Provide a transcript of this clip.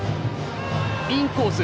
インコース！